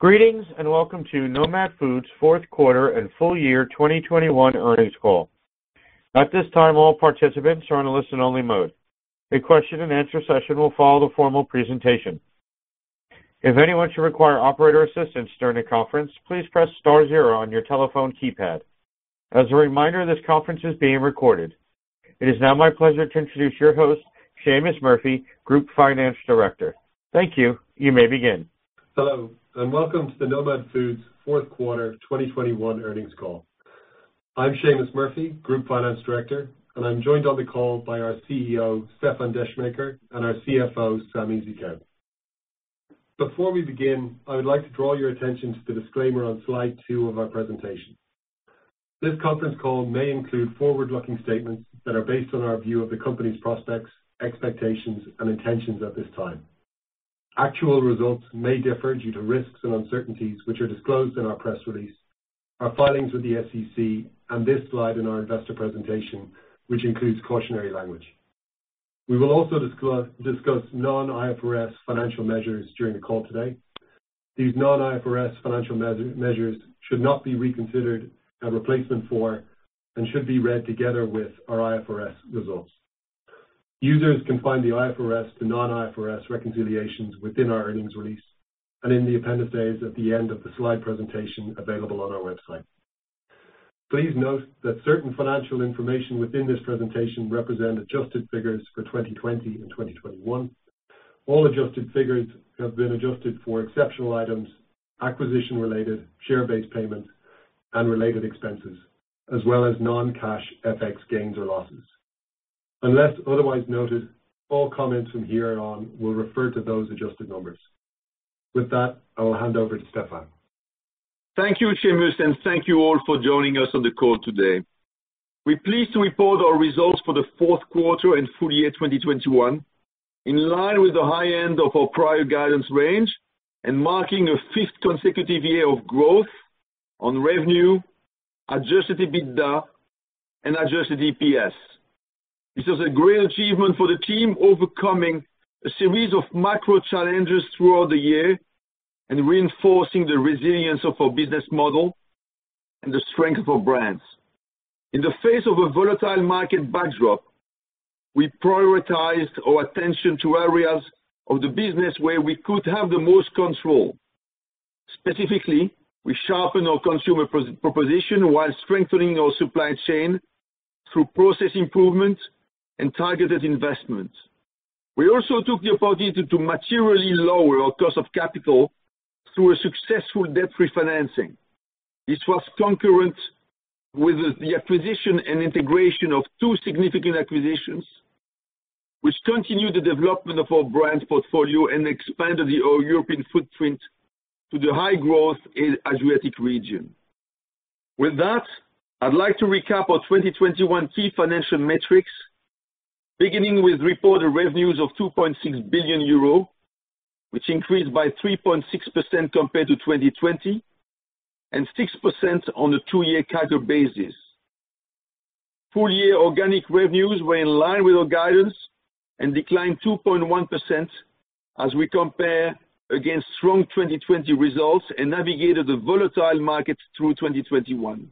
Greetings, and welcome to Nomad Foods fourth quarter and full year 2021 earnings call. At this time, all participants are on a listen-only mode. A question and answer session will follow the formal presentation. If anyone should require operator assistance during the conference, please press star zero on your telephone keypad. As a reminder, this conference is being recorded. It is now my pleasure to introduce your host, Seamus Murphy, Group Finance Director. Thank you. You may begin. Hello, and welcome to the Nomad Foods fourth quarter 2021 earnings call. I'm Seamus Murphy, Group Finance Director, and I'm joined on the call by our CEO, Stéfan Descheemaeker, and our CFO, Samy Zekhout. Before we begin, I would like to draw your attention to the disclaimer on slide 2 of our presentation. This conference call may include forward-looking statements that are based on our view of the company's prospects, expectations, and intentions at this time. Actual results may differ due to risks and uncertainties which are disclosed in our press release, our filings with the SEC, and this slide in our investor presentation, which includes cautionary language. We will also discuss non-IFRS financial measures during the call today. These non-IFRS financial measures should not be considered a replacement for and should be read together with our IFRS results. Users can find the IFRS to non-IFRS reconciliations within our earnings release and in the appendices at the end of the slide presentation available on our website. Please note that certain financial information within this presentation represent adjusted figures for 2020 and 2021. All adjusted figures have been adjusted for exceptional items, acquisition-related share-based payments and related expenses, as well as non-cash FX gains or losses. Unless otherwise noted, all comments from here on will refer to those adjusted numbers. With that, I will hand over to Stéfan. Thank you, Seamus, and thank you all for joining us on the call today. We're pleased to report our results for the fourth quarter and full year 2021, in line with the high end of our prior guidance range and marking a fifth consecutive year of growth on revenue, adjusted EBITDA, and adjusted EPS. This is a great achievement for the team, overcoming a series of macro challenges throughout the year and reinforcing the resilience of our business model and the strength of our brands. In the face of a volatile market backdrop, we prioritized our attention to areas of the business where we could have the most control. Specifically, we sharpened our consumer proposition while strengthening our supply chain through process improvement and targeted investments. We also took the opportunity to materially lower our cost of capital through a successful debt refinancing. This was concurrent with the acquisition and integration of two significant acquisitions, which continued the development of our brands portfolio and expanded our European footprint to the high-growth, Adriatic region. With that, I'd like to recap our 2021 key financial metrics, beginning with reported revenues of 2.6 billion euro, which increased by 3.6% compared to 2020 and 6% on a 2-year CAGR basis. Full-year organic revenues were in line with our guidance and declined 2.1% as we compare against strong 2020 results and navigated the volatile market through 2021.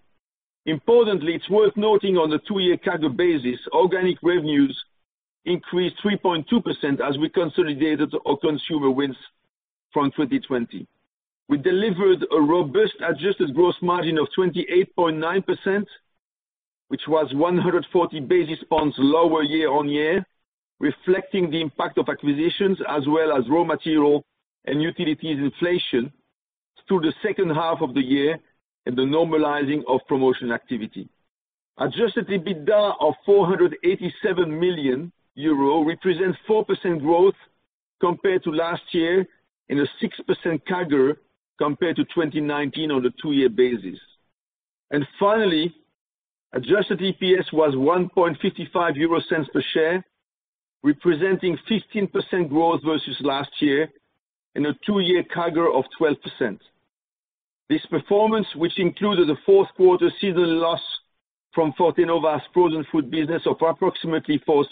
Importantly, it's worth noting on the 2-year CAGR basis, organic revenues increased 3.2% as we consolidated our consumer wins from 2020. We delivered a robust adjusted gross margin of 28.9%, which was 140 basis points lower year-on-year, reflecting the impact of acquisitions as well as raw material and utilities inflation through the second half of the year and the normalizing of promotion activity. Adjusted EBITDA of 487 million euro represents 4% growth compared to last year and a 6% CAGR compared to 2019 on a two-year basis. Finally, adjusted EPS was 1.55 euro per share, representing 15% growth versus last year and a two-year CAGR of 12%. This performance, which included a fourth quarter seasonal loss from Fortenova's frozen food business of approximately four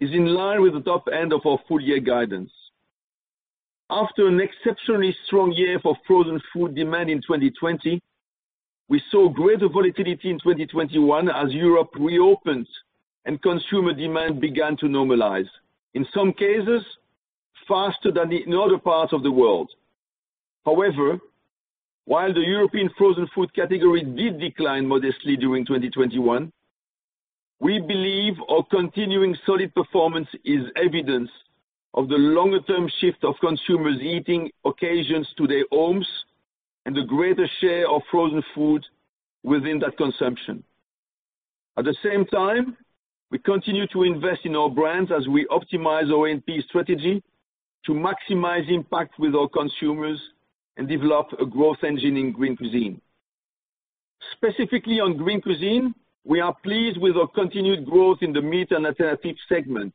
cents, is in line with the top end of our full-year guidance. After an exceptionally strong year for frozen food demand in 2020, we saw greater volatility in 2021 as Europe reopened and consumer demand began to normalize, in some cases faster than in other parts of the world. However, while the European frozen food category did decline modestly during 2021, we believe our continuing solid performance is evidence of the longer-term shift of consumers' eating occasions to their homes and the greater share of frozen food within that consumption. At the same time, we continue to invest in our brands as we optimize our OMP strategy to maximize impact with our consumers and develop a growth engine in Green Cuisine. Specifically, on Green Cuisine, we are pleased with our continued growth in the meat alternative segment,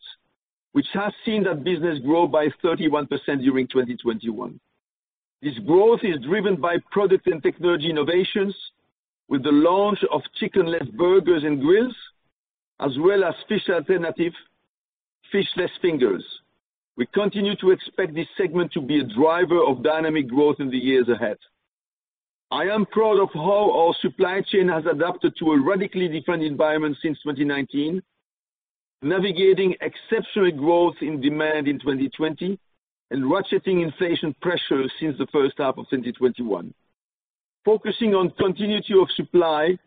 which has seen that business grow by 31% during 2021. This growth is driven by product and technology innovations with the launch of chicken-less burgers and grills, as well as fishless Fingers. We continue to expect this segment to be a driver of dynamic growth in the years ahead. I am proud of how our supply chain has adapted to a radically different environment since 2019, navigating exceptional growth in demand in 2020 and ratcheting inflation pressure since the first half of 2021. Focusing on continuity of supply,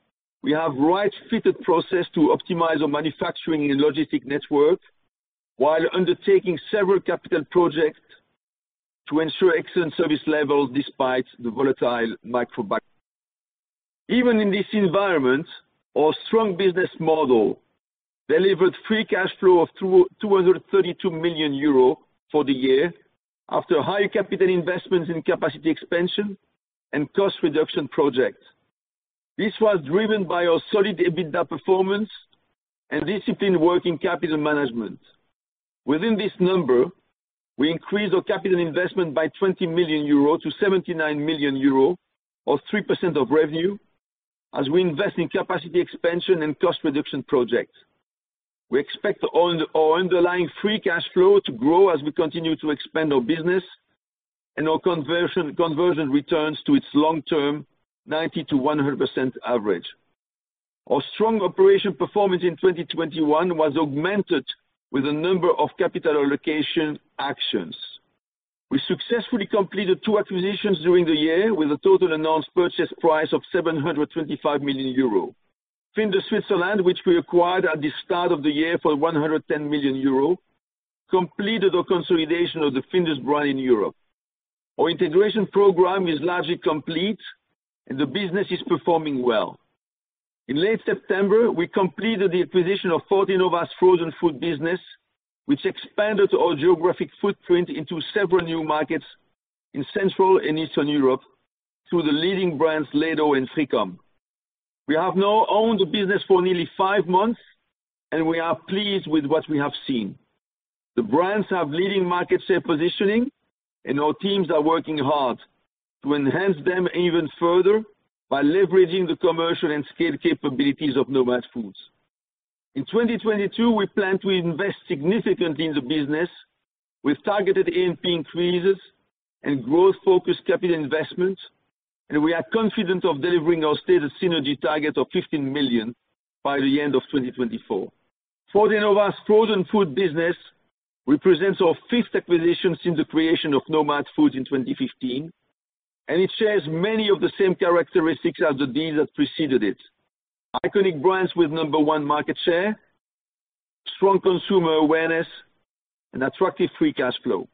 we have right-fitted process to optimize our manufacturing and logistic network while undertaking several capital projects to ensure excellent service levels despite the volatile macro. Even in this environment, our strong business model delivered free cash flow of 232 million euro for the year after high capital investments in capacity expansion and cost reduction projects. This was driven by our solid EBITDA performance and disciplined working capital management. Within this number, we increased our capital investment by 20 million euros to 79 million euros, or 3% of revenue, as we invest in capacity expansion and cost reduction projects. We expect our underlying free cash flow to grow as we continue to expand our business and our conversion returns to its long-term 90%-100% average. Our strong operational performance in 2021 was augmented with a number of capital allocation actions. We successfully completed 2 acquisitions during the year with a total announced purchase price of 725 million euro. Findus Switzerland, which we acquired at the start of the year for 110 million euro, completed our consolidation of the Findus brand in Europe. Our integration program is largely complete and the business is performing well. In late September, we completed the acquisition of Fortenova's frozen food business, which expanded our geographic footprint into several new markets in Central and Eastern Europe through the leading brands, Ledo and Frikom. We have now owned the business for nearly five months, and we are pleased with what we have seen. The brands have leading market share positioning, and our teams are working hard to enhance them even further by leveraging the commercial and scale capabilities of Nomad Foods. In 2022, we plan to invest significantly in the business with targeted A&P increases and growth-focused capital investments, and we are confident of delivering our stated synergy target of 15 million by the end of 2024. Fortenova's frozen food business represents our fifth acquisition since the creation of Nomad Foods in 2015, and it shares many of the same characteristics as the deals that preceded it. Iconic brands with No. 1 market share, strong consumer awareness, and attractive free cash flow.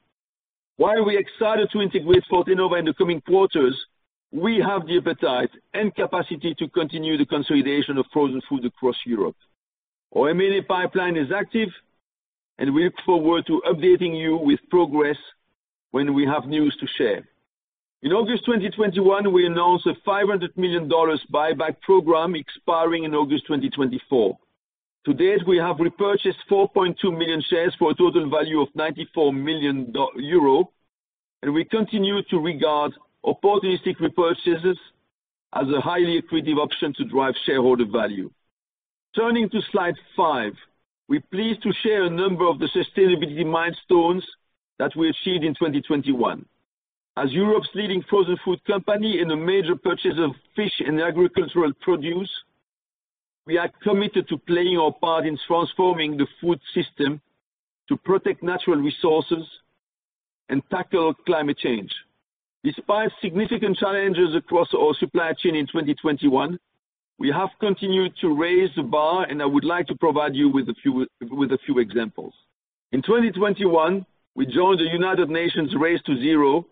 While we are excited to integrate Fortenova in the coming quarters, we have the appetite and capacity to continue the consolidation of frozen food across Europe. Our M&A pipeline is active, and we look forward to updating you with progress when we have news to share. In August 2021, we announced a $500 million buy-back program expiring in August 2024. To date, we have repurchased 4.2 million shares for a total value of 94 million euro, and we continue to regard opportunistic repurchases as a highly accretive option to drive shareholder value. Turning to slide 5, we're pleased to share a number of the sustainability milestones that we achieved in 2021. As Europe's leading frozen food company and a major purchaser of fish and agricultural produce, we are committed to playing our part in transforming the food system to protect natural resources and tackle climate change. Despite significant challenges across our supply chain in 2021, we have continued to raise the bar, and I would like to provide you with a few examples. In 2021, we joined the United Nations Race to Zero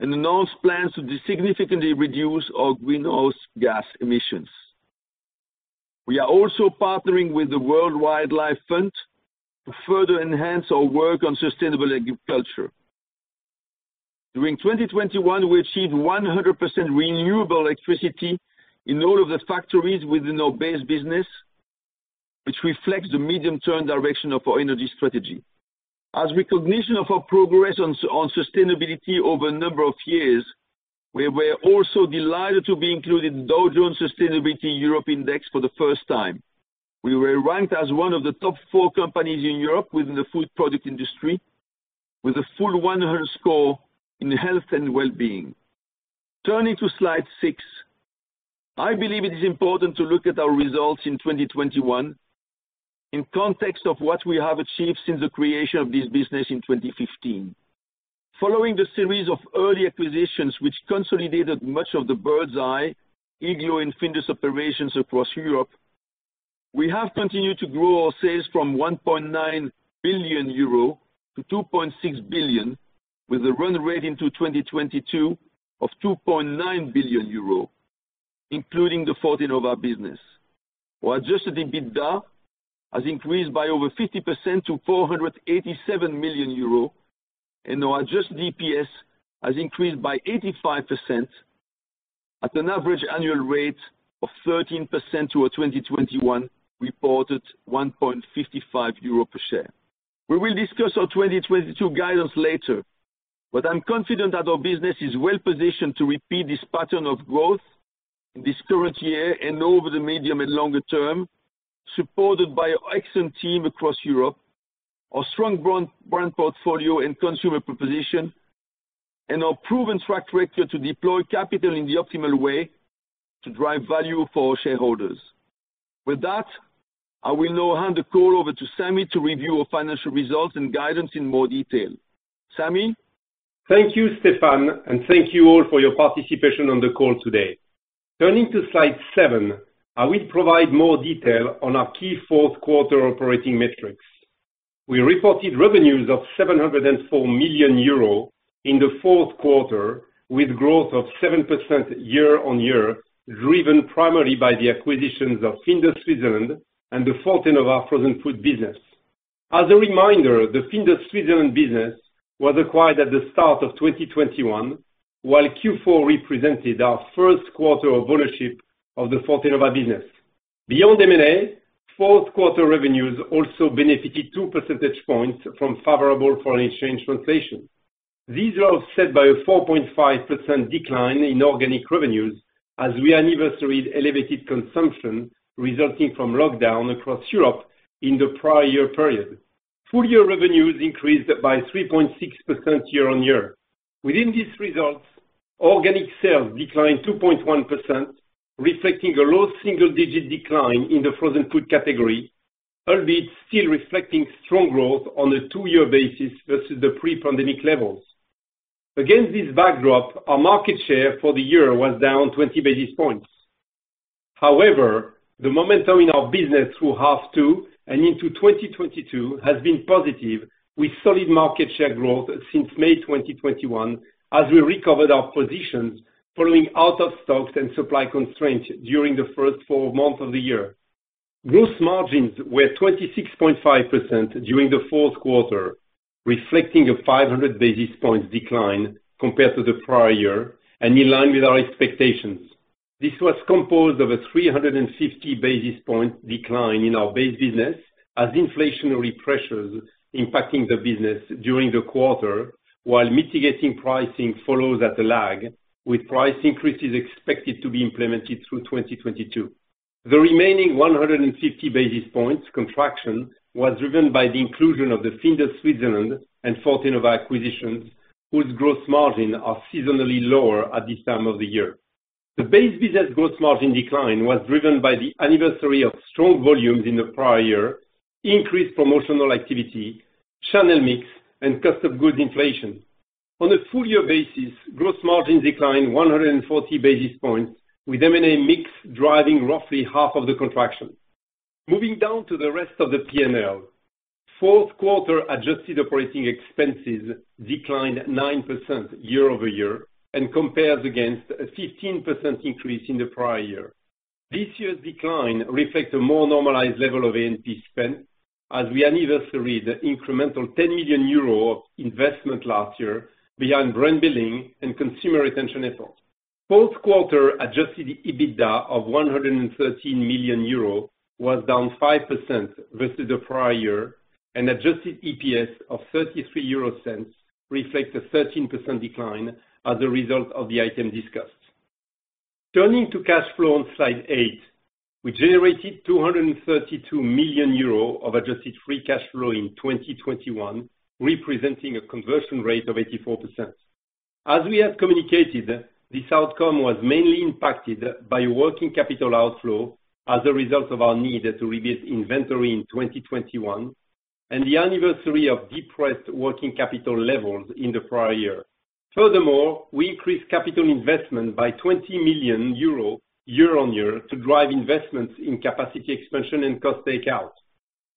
and announced plans to significantly reduce our greenhouse gas emissions. We are also partnering with the World Wildlife Fund to further enhance our work on sustainable agriculture. During 2021, we achieved 100% renewable electricity in all of the factories within our base business, which reflects the medium-term direction of our energy strategy. As recognition of our progress on sustainability over a number of years, we were also delighted to be included in Dow Jones Sustainability Europe Index for the first time. We were ranked as one of the top 4 companies in Europe within the food product industry with a full 100 score in health and well-being. Turning to slide 6, I believe it is important to look at our results in 2021 in context of what we have achieved since the creation of this business in 2015. Following the series of early acquisitions which consolidated much of the Birds Eye, iglo and Findus operations across Europe, we have continued to grow our sales from 1.9 billion euro to 2.6 billion, with a run rate into 2022 of 2.9 billion euro, including the Fortenova business. Our adjusted EBITDA has increased by over 50% to 487 million euro, and our adjusted EPS has increased by 85% at an average annual rate of 13% to a 2021 reported 1.55 euro per share. We will discuss our 2022 guidance later, but I'm confident that our business is well positioned to repeat this pattern of growth. In this current year and over the medium and longer term, supported by excellent team across Europe, our strong brand portfolio and consumer proposition, and our proven track record to deploy capital in the optimal way to drive value for shareholders. With that, I will now hand the call over to Samy to review our financial results and guidance in more detail. Samy? Thank you, Stéfan, and thank you all for your participation on the call today. Turning to slide 7, I will provide more detail on our key fourth quarter operating metrics. We reported revenues of 704 million euro in the fourth quarter, with growth of 7% year-on-year, driven primarily by the acquisitions of Findus Switzerland and the Fortenova frozen food business. As a reminder, the Findus Switzerland business was acquired at the start of 2021, while Q4 represented our first quarter of ownership of the Fortenova business. Beyond M&A, fourth quarter revenues also benefited two percentage points from favorable foreign exchange translations. These are offset by a 4.5% decline in organic revenues as we anniversaried elevated consumption resulting from lockdown across Europe in the prior year period. Full year revenues increased by 3.6% year-on-year. Within these results, organic sales declined 2.1%, reflecting a low single-digit decline in the frozen food category, albeit still reflecting strong growth on a two-year basis versus the pre-pandemic levels. Against this backdrop, our market share for the year was down 20 basis points. However, the momentum in our business through half two and into 2022 has been positive with solid market share growth since May 2021, as we recovered our positions following out of stocks and supply constraints during the first four months of the year. Gross margins were 26.5% during the fourth quarter, reflecting a 500 basis points decline compared to the prior year and in line with our expectations. This was composed of a 350 basis point decline in our base business as inflationary pressures impacting the business during the quarter while mitigating pricing follows at a lag, with price increases expected to be implemented through 2022. The remaining 150 basis points contraction was driven by the inclusion of the Findus Switzerland and Fortenova acquisitions, whose gross margin are seasonally lower at this time of the year. The base business gross margin decline was driven by the anniversary of strong volumes in the prior year, increased promotional activity, channel mix, and cost of goods inflation. On a full year basis, gross margin declined 140 basis points, with M&A mix driving roughly half of the contraction. Moving down to the rest of the P&L, fourth quarter adjusted operating expenses declined 9% year-over-year and compares against a 15% increase in the prior year. This year's decline reflects a more normalized level of A&P spend as we anniversaried the incremental 10 million euro of investment last year behind brand building and consumer retention efforts. Fourth quarter adjusted EBITDA of 113 million euro was down 5% versus the prior year, and adjusted EPS of 0.33 reflects a 13% decline as a result of the item discussed. Turning to cash flow on slide 8, we generated 232 million euro of adjusted free cash flow in 2021, representing a conversion rate of 84%. As we have communicated, this outcome was mainly impacted by working capital outflow as a result of our need to rebuild inventory in 2021 and the anniversary of depressed working capital levels in the prior year. Furthermore, we increased capital investment by 20 million euro year-on-year to drive investments in capacity expansion and cost takeout.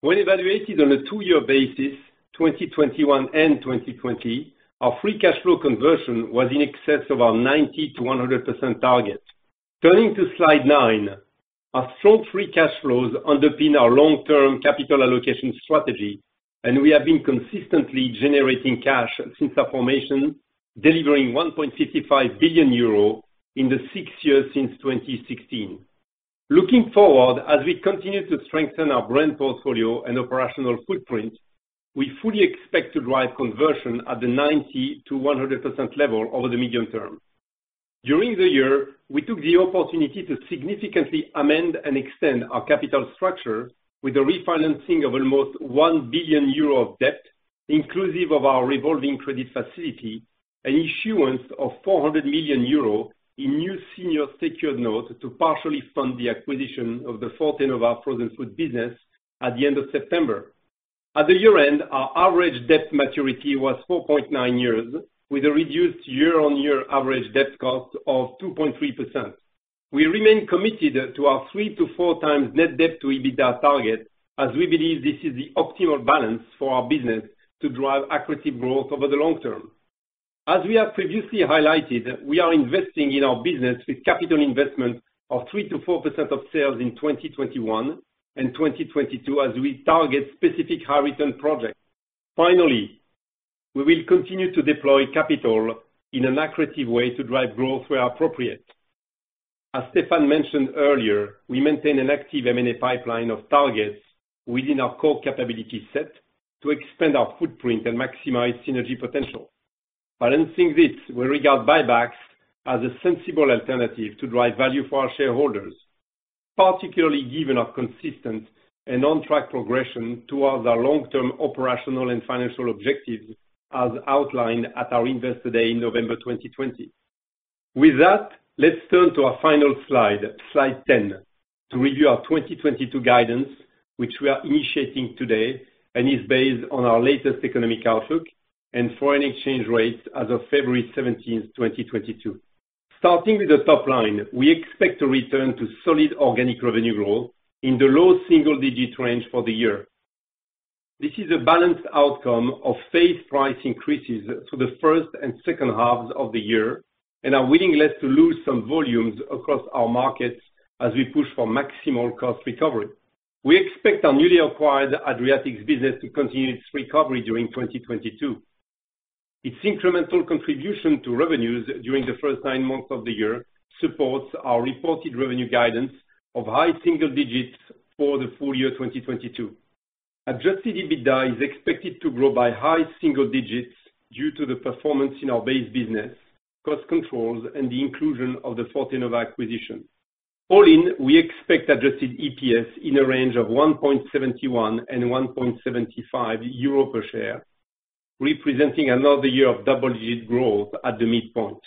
When evaluated on a 2-year basis, 2021 and 2020, our free cash flow conversion was in excess of our 90%-100% target. Turning to slide 9, our strong free cash flows underpin our long-term capital allocation strategy, and we have been consistently generating cash since our formation, delivering 1.55 billion euro in the 6 years since 2016. Looking forward, as we continue to strengthen our brand portfolio and operational footprint, we fully expect to drive conversion at the 90%-100% level over the medium term. During the year, we took the opportunity to significantly amend and extend our capital structure with a refinancing of almost 1 billion euro of debt, inclusive of our revolving credit facility, an issuance of 400 million euro in new senior secured notes to partially fund the acquisition of the Fortenova frozen food business at the end of September. At the year-end, our average debt maturity was 4.9 years, with a reduced year-on-year average debt cost of 2.3%. We remain committed to our 3-4 times net debt to EBITDA target as we believe this is the optimal balance for our business to drive accretive growth over the long term. As we have previously highlighted, we are investing in our business with capital investment of 3%-4% of sales in 2021 and 2022 as we target specific high return projects. Finally, we will continue to deploy capital in an accretive way to drive growth where appropriate. As Stéfan mentioned earlier, we maintain an active M&A pipeline of targets within our core capability set to expand our footprint and maximize synergy potential. Balancing this, we regard buybacks as a sensible alternative to drive value for our shareholders, particularly given our consistent and on-track progression towards our long-term operational and financial objectives as outlined at our Investor Day in November 2020. With that, let's turn to our final slide 10, to review our 2022 guidance, which we are initiating today and is based on our latest economic outlook and foreign exchange rates as of February 17, 2022. Starting with the top line, we expect to return to solid organic revenue growth in the low single-digit range for the year. This is a balanced outcome of phased price increases in the first and second halves of the year, and a willingness to lose some volumes across our markets as we push for maximal cost recovery. We expect our newly acquired Adriatic business to continue its recovery during 2022. Its incremental contribution to revenues during the first nine months of the year supports our reported revenue guidance of high single digits for the full year 2022. Adjusted EBITDA is expected to grow by high single digits due to the performance in our base business, cost controls, and the inclusion of the Fortenova acquisition. All in, we expect adjusted EPS in a range of 1.71-1.75 euro per share, representing another year of double-digit growth at the midpoint.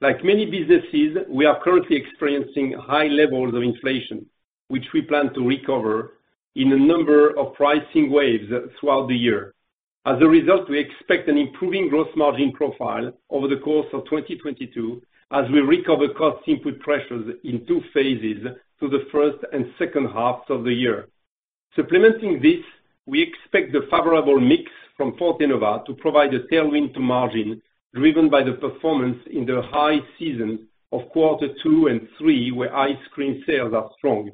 Like many businesses, we are currently experiencing high levels of inflation, which we plan to recover in a number of pricing waves throughout the year. As a result, we expect an improving gross margin profile over the course of 2022 as we recover cost input pressures in two phases through the first and second halves of the year. Supplementing this, we expect the favorable mix from Fortenova to provide a tailwind to margin, driven by the performance in the high season of quarter two and three, where ice cream sales are strong.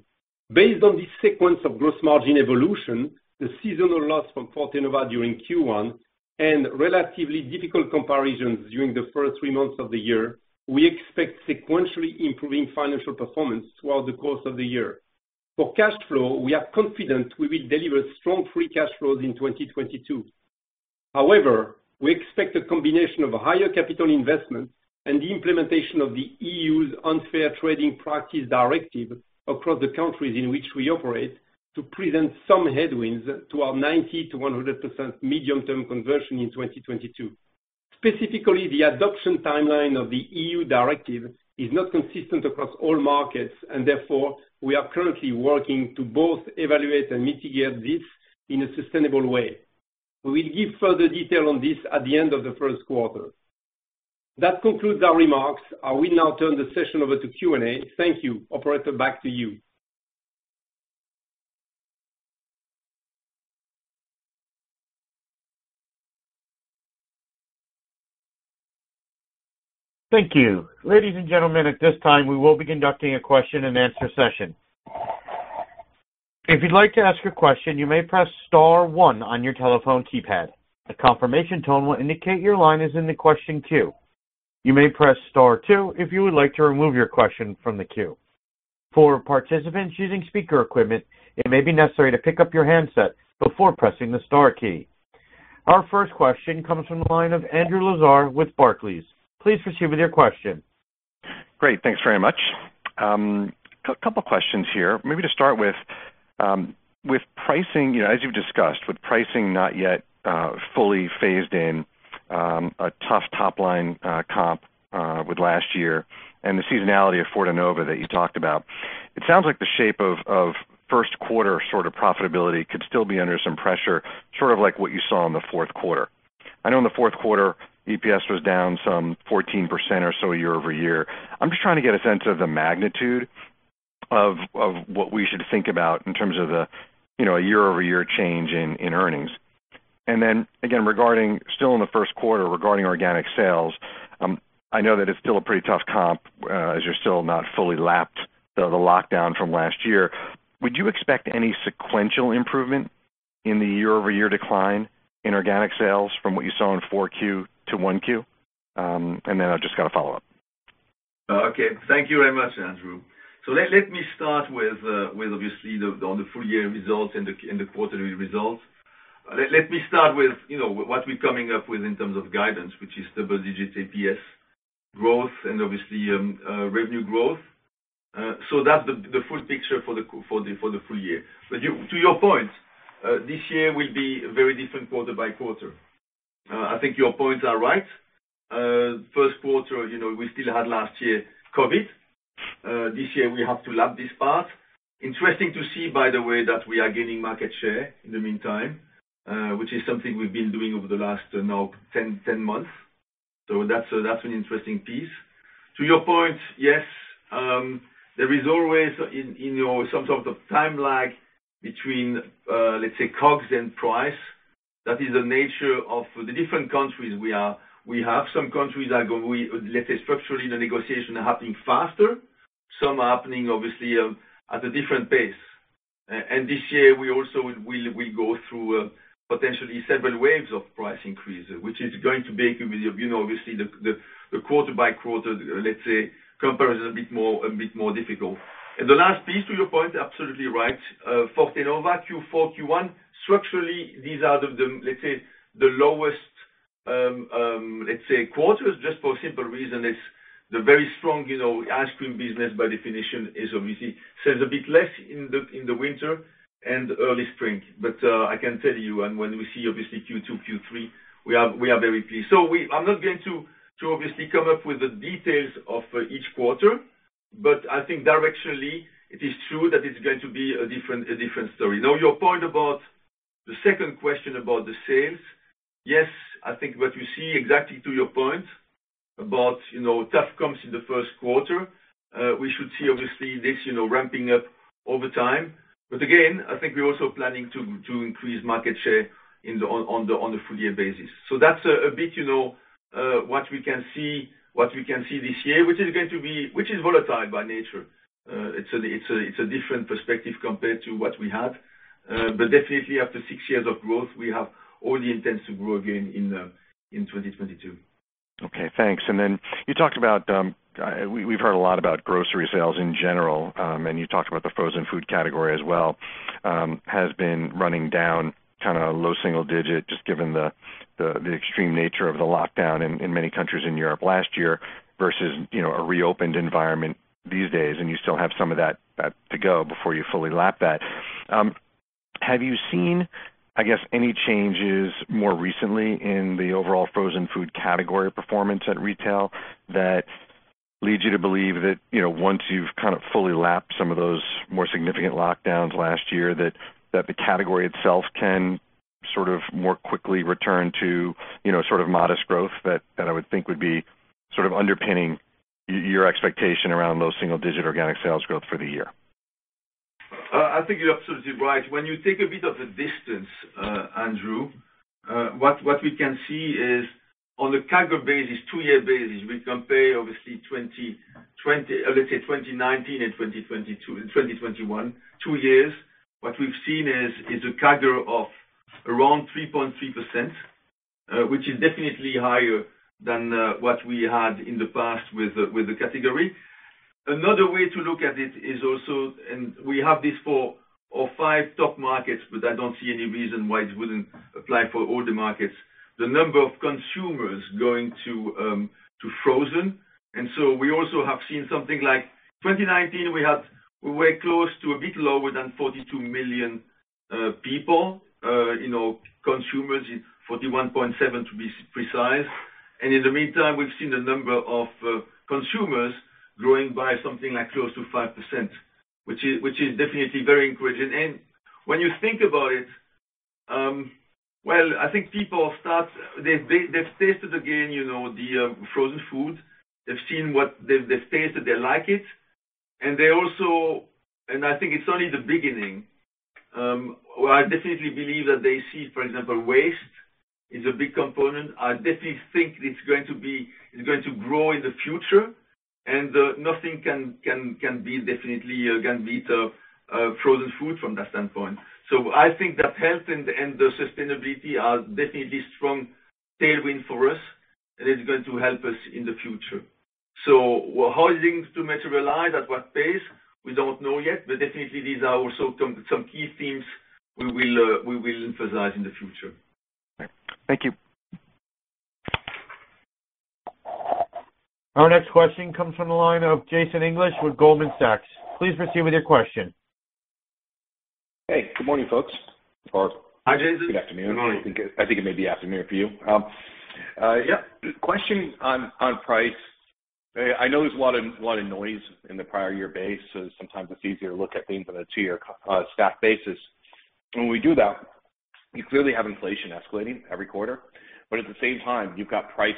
Based on this sequence of gross margin evolution, the seasonal loss from Fortenova during Q1, and relatively difficult comparisons during the first three months of the year, we expect sequentially improving financial performance throughout the course of the year. For cash flow, we are confident we will deliver strong free cash flows in 2022. However, we expect a combination of higher capital investment and the implementation of the EU's Directive on Unfair Trading Practices across the countries in which we operate to present some headwinds to our 90%-100% medium-term conversion in 2022. Specifically, the adoption timeline of the EU Directive on Unfair Trading Practices is not consistent across all markets, and therefore, we are currently working to both evaluate and mitigate this in a sustainable way. We will give further detail on this at the end of the first quarter. That concludes our remarks. I will now turn the session over to Q&A. Thank you. Operator, back to you. Thank you. Ladies and gentlemen, at this time, we will be conducting a question-and-answer session. If you'd like to ask a question, you may press star one on your telephone keypad. A confirmation tone will indicate your line is in the question queue. You may press star two if you would like to remove your question from the queue. For participants using speaker equipment, it may be necessary to pick up your handset before pressing the star key. Our first question comes from the line of Andrew Lazar with Barclays. Please proceed with your question. Great. Thanks very much. Couple questions here. Maybe to start with pricing, you know, as you've discussed, with pricing not yet fully phased in, a tough top-line comp with last year and the seasonality of Fortenova that you talked about, it sounds like the shape of first quarter sort of profitability could still be under some pressure, sort of like what you saw in the fourth quarter. I know in the fourth quarter, EPS was down some 14% or so year-over-year. I'm just trying to get a sense of the magnitude of what we should think about in terms of the, you know, year-over-year change in earnings. Again, regarding still in the first quarter, regarding organic sales, I know that it's still a pretty tough comp, as you're still not fully lapped the lockdown from last year. Would you expect any sequential improvement in the year-over-year decline in organic sales from what you saw in 4Q to 1Q? I've just got a follow-up. Okay. Thank you very much, Andrew. Let me start with obviously the full year results and the quarterly results. Let me start with, you know, what we're coming up with in terms of guidance, which is double-digit EPS growth and obviously revenue growth. That's the full picture for the full year. To your point, this year will be very different quarter by quarter. I think your points are right. First quarter, you know, we still had last year COVID. This year we have to lap this part. Interesting to see, by the way, that we are gaining market share in the meantime, which is something we've been doing over the last now 10 months. That's an interesting piece. To your point, yes, there is always, you know, some sort of time lag between, let's say, COGS and price. That is the nature of the different countries we have some countries that, let's say structurally, the negotiations are happening faster, some are happening obviously, at a different pace. This year we also will go through potentially several waves of price increases, which is going to make, you know, obviously the quarter by quarter, let's say, comparison a bit more difficult. The last piece to your point, absolutely right. Fortenova Q4, Q1, structurally, these are the, let's say, the lowest Let's say quarters just for a simple reason is the very strong, you know, ice cream business, by definition, is obviously sells a bit less in the winter and early spring. I can tell you and when we see obviously Q2, Q3, we are very pleased. I'm not going to obviously come up with the details of each quarter, but I think directionally it is true that it's going to be a different story. Now, your point about the second question about the sales, yes, I think what you see exactly to your point about, you know, tough comps in the first quarter, we should see obviously this, you know, ramping up over time. I think we're also planning to increase market share on the full year basis. That's a bit, you know, what we can see this year, which is volatile by nature. It's a different perspective compared to what we had. Definitely after six years of growth, we have all the intents to grow again in 2022. Okay, thanks. Then you talked about we've heard a lot about grocery sales in general, and you talked about the frozen food category as well has been running down kind of low single digit just given the extreme nature of the lockdown in many countries in Europe last year versus a reopened environment these days, and you still have some of that to go before you fully lap that. Have you seen, I guess, any changes more recently in the overall frozen food category performance at retail that leads you to believe that, you know, once you've kind of fully lapped some of those more significant lockdowns last year that the category itself can sort of more quickly return to, you know, sort of modest growth that I would think would be sort of underpinning your expectation around low single digit organic sales growth for the year? I think you're absolutely right. When you take a bit of the distance, Andrew, what we can see is on a CAGR basis, two-year basis, we compare obviously 2020. Let's say 2019 and 2022 and 2021, two years, what we've seen is a CAGR of around 3.3%, which is definitely higher than what we had in the past with the category. Another way to look at it is also, and we have this for our five top markets, but I don't see any reason why this wouldn't apply for all the markets, the number of consumers going to frozen. We also have seen something like 2019 we were close to a bit lower than 42 million people you know consumers 41.7 to be precise. In the meantime we've seen the number of consumers growing by something like close to 5% which is definitely very encouraging. When you think about it I think people start they've tasted again you know the frozen food. They've seen what they've tasted it they like it. They also I think it's only the beginning. I definitely believe that they see for example waste is a big component. I definitely think it's going to grow in the future and nothing can definitely beat frozen food from that standpoint. I think that health and the sustainability are definitely strong tailwind for us, and it's going to help us in the future. We're hoping to materialize at what pace, we don't know yet, but definitely these are also some key themes we will emphasize in the future. Thank you. Our next question comes from the line of Jason English with Goldman Sachs. Please proceed with your question. Hey, good morning, folks. Hi, Jason. Good afternoon. Good morning. I think it may be afternoon for you. Question on price. I know there's a lot of noise in the prior year base, so sometimes it's easier to look at things on a two-year stacked basis. When we do that, you clearly have inflation escalating every quarter, but at the same time, you've got price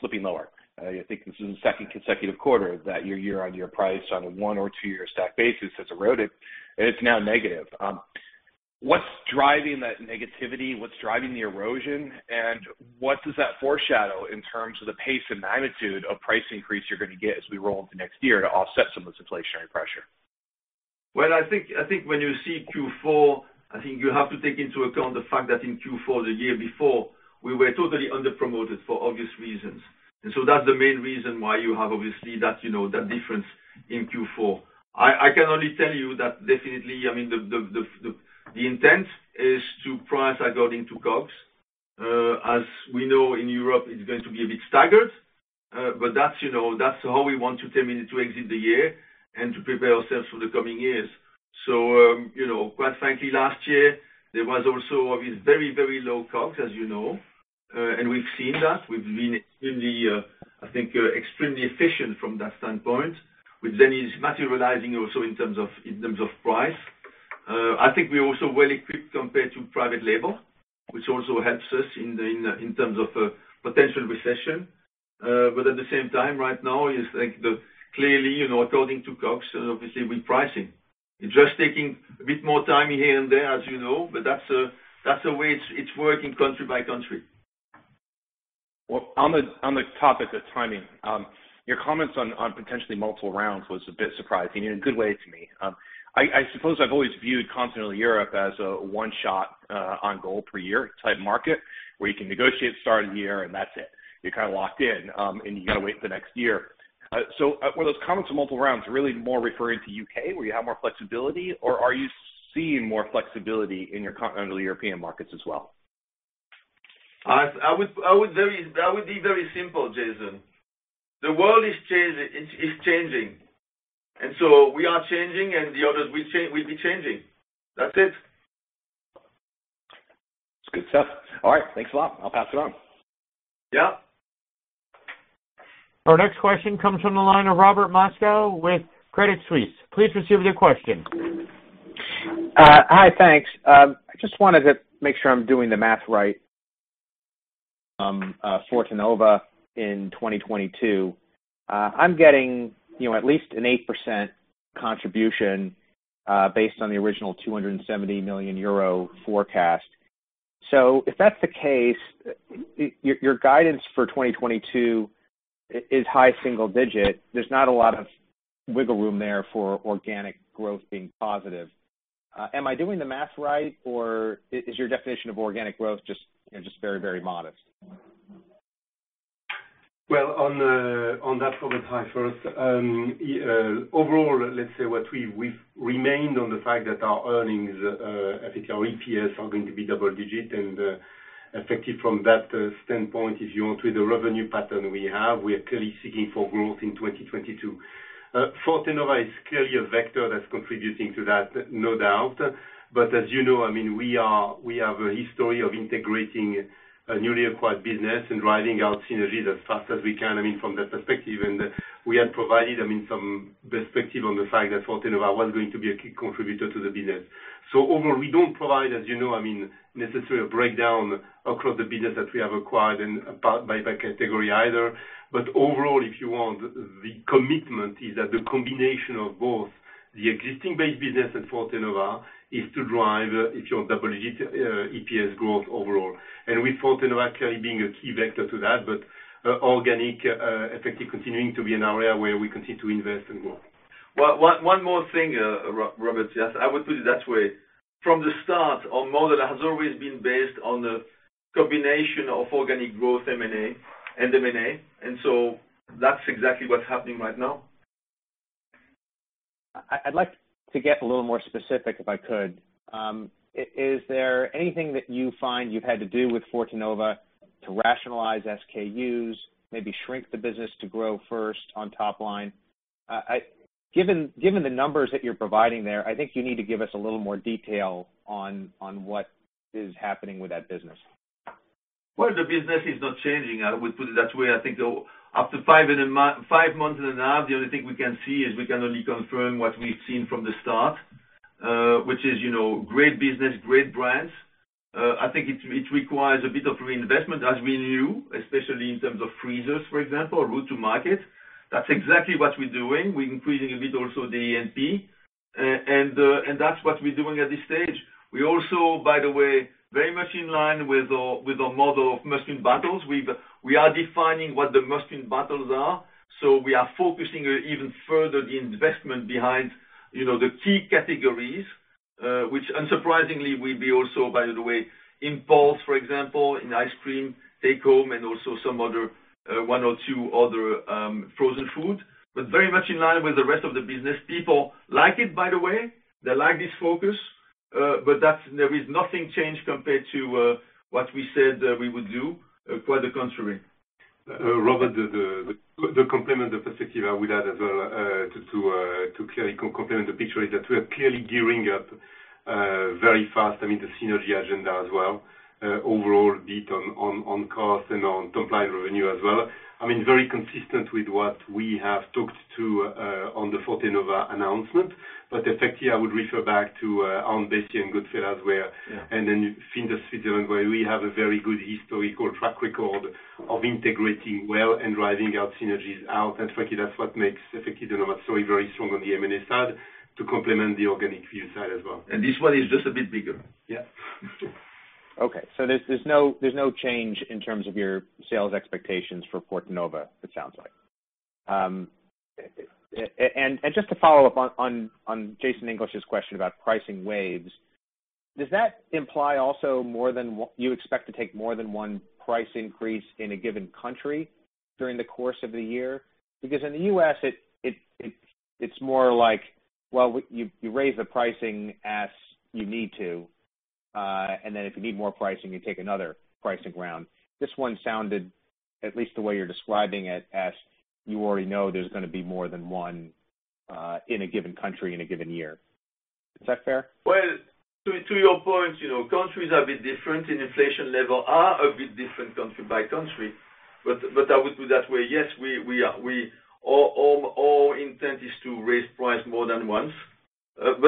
slipping lower. I think this is the second consecutive quarter that year-on-year price on a one- or two-year stacked basis has eroded, and it's now negative. What's driving that negativity? What's driving the erosion? And what does that foreshadow in terms of the pace and magnitude of price increase you're gonna get as we roll into next year to offset some of this inflationary pressure? Well, I think when you see Q4, I think you have to take into account the fact that in Q4 the year before, we were totally under-promoted for obvious reasons. That's the main reason why you have obviously that, you know, that difference in Q4. I can only tell you that definitely, I mean, the intent is to price according to COGS. As we know in Europe, it's going to be a bit staggered, but that's, you know, that's how we want to exit the year and to prepare ourselves for the coming years. You know, quite frankly last year, there was also obviously very, very low COGS, as you know. We've seen that. We've been extremely efficient from that standpoint, which then is materializing also in terms of price. I think we're also well equipped compared to private label, which also helps us in terms of potential recession. But at the same time right now is clearly, you know, according to COGS, obviously with pricing. It's just taking a bit more time here and there, as you know, but that's the way it's working country by country. Well, on the topic of timing, your comments on potentially multiple rounds was a bit surprising in a good way to me. I suppose I've always viewed continental Europe as a one shot on goal per year type market, where you can negotiate start of the year, and that's it. You're kind of locked in, and you gotta wait for the next year. Were those comments of multiple rounds really more referring to U.K. where you have more flexibility, or are you seeing more flexibility under the European markets as well? I would be very simple, Jason. The world is changing, and so we are changing and the others will be changing. That's it. It's good stuff. All right. Thanks a lot. I'll pass it on. Yeah. Our next question comes from the line of Robert Moskow with Credit Suisse. Please proceed with your question. Hi. Thanks. I just wanted to make sure I'm doing the math right, Fortenova in 2022. I'm getting, you know, at least an 8% contribution, based on the original 270 million euro forecast. If that's the case, your guidance for 2022 is high single digit. There's not a lot of wiggle room there for organic growth being positive. Am I doing the math right, or is your definition of organic growth just, you know, just very, very modest? Well, on that program first, yeah, overall, let's say we've reaffirmed the fact that our earnings, I think our EPS are going to be double-digit, and effective from that standpoint, if you want, with the revenue pattern we have, we are clearly seeing growth in 2022. Fortenova is clearly a vector that's contributing to that, no doubt. As you know, I mean, we have a history of integrating a newly acquired business and driving out synergies as fast as we can, I mean, from that perspective, and we have provided, I mean, some perspective on the side that Fortenova was going to be a key contributor to the business. Overall, we don't provide, as you know, I mean, necessarily a breakdown across the business that we have acquired and by category either. Overall, if you want, the commitment is that the combination of both the existing base business and Fortenova is to drive, if you want, double-digit EPS growth overall. With Fortenova clearly being a key vector to that, but organic efforts continuing to be an area where we continue to invest and grow. One more thing, Robert. Yes, I would put it that way. From the start, our model has always been based on the combination of organic growth and M&A. That's exactly what's happening right now. I'd like to get a little more specific, if I could. Is there anything that you find you've had to do with Fortenova to rationalize SKUs, maybe shrink the business to grow first on top line? Given the numbers that you're providing there, I think you need to give us a little more detail on what is happening with that business. Well, the business is not changing. I would put it that way. I think after five months in and out, the only thing we can see is we can only confirm what we've seen from the start, which is, you know, great business, great brands. I think it requires a bit of reinvestment as we knew, especially in terms of freezers, for example, route to market. That's exactly what we're doing. We're increasing a bit also the A&P, and that's what we're doing at this stage. We also, by the way, very much in line with our model of must-win battles. We are defining what the must-win battles are. We are focusing even further the investment behind, you know, the key categories, which unsurprisingly will be also, by the way, impulse, for example, in ice cream, take home, and also some other, one or two other, frozen food. Very much in line with the rest of the business. People like it, by the way, they like this focus, but that's. There is nothing changed compared to, what we said, we would do, quite the contrary. Robert, the complementary perspective I would add as well, to clearly complement the picture is that we are clearly gearing up very fast, I mean, the synergy agenda as well, overall we beat on cost and on top-line revenue as well. I mean, very consistent with what we have talked about on the Fortenova announcement. Effectively, I would refer back to Aunt Bessie's as well. Yeah. Findus Sweden, where we have a very good historical track record of integrating well and driving our synergies out. Frankly, that's what makes Nomad Foods so very strong on the M&A side to complement the organic view side as well. This one is just a bit bigger. Yeah. There's no change in terms of your sales expectations for Fortenova, it sounds like. Just to follow up on Jason English's question about pricing waves, does that imply also more than one, you expect to take more than one price increase in a given country during the course of the year? Because in the U.S., it's more like, well, you raise the pricing as you need to, and then if you need more pricing, you take another pricing round. This one sounded, at least the way you're describing it, as you already know there's gonna be more than one, in a given country in a given year. Is that fair? Well, to your point, you know, countries are a bit different and inflation levels are a bit different country by country. I would put it that way, yes, we are. Our intent is to raise prices more than once. At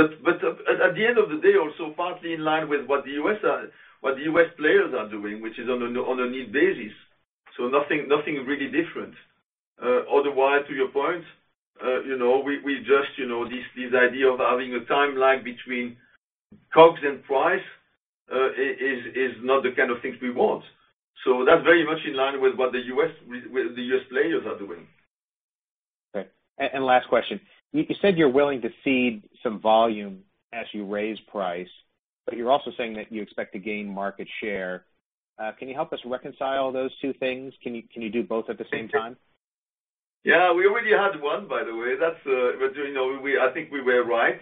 the end of the day, also partly in line with what the U.S. players are doing, which is on a need basis. Nothing really different. Otherwise, to your point, you know, we just, you know, this idea of having a timeline between COGS and price is not the kind of things we want. That's very much in line with what the U.S. players are doing. Okay. Last question. You said you're willing to cede some volume as you raise price. You're also saying that you expect to gain market share. Can you help us reconcile those two things? Can you do both at the same time? Yeah. We already had one, by the way. I think we were right.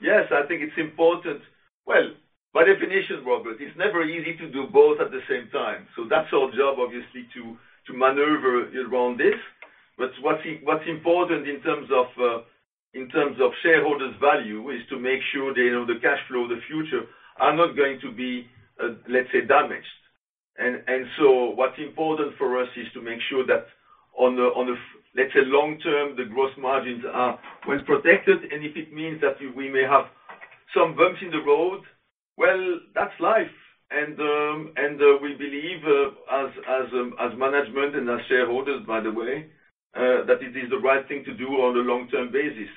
Yes, I think it's important. Well, by definition, Robert, it's never easy to do both at the same time. That's our job, obviously, to maneuver around this. What's important in terms of shareholders' value is to make sure they know the cash flow of the future are not going to be, let's say, damaged. What's important for us is to make sure that on the long term, the gross margins are well protected. If it means that we may have some bumps in the road, that's life. We believe as management and as shareholders, by the way, that it is the right thing to do on a long-term basis.